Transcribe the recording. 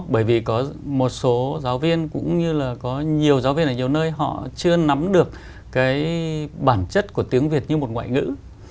bởi vì có một số giáo viên cũng như là có nhiều giáo viên ở nhiều nơi họ chưa nắm được cái bản chất của tiếng việt như một ngoại ngữ